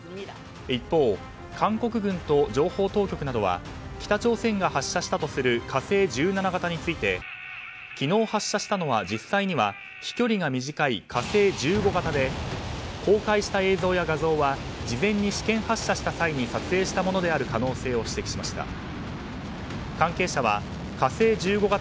一方、韓国軍と情報当局などは北朝鮮が発射したとする「火星１７」型について昨日発射したのは実際には飛距離が短い「火星１５」型で公開した映像や画像は事前に試験発射した際に撮影したものである可能性を指摘しました。